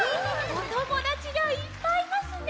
おともだちがいっぱいいますね！